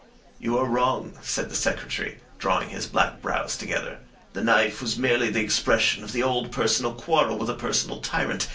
"You are wrong," said the Secretary, drawing his black brows together. "The knife was merely the expression of the old personal quarrel with a personal tyrant.